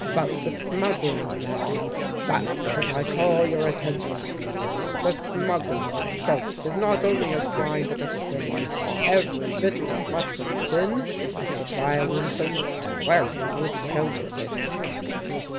"But the smuggling, ma'am that's what I call your attention to! The smuggling itself is not only a crime but a sin; every bit as much a sin as the violence and swearing which go with it."